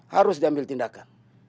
harus diambil tindakan